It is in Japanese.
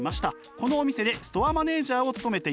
このお店でストアマネージャーを務めています。